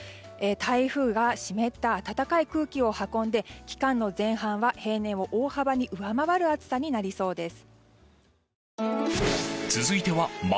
台風が湿った暖かい空気を運んで期間の前半は平年を大幅に上回る暑さになりそうです。